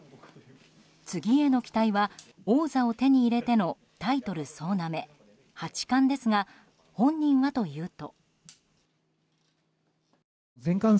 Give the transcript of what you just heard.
次への期待は王座を手に入れてのタイトル総なめ、八冠ですが本人はというと。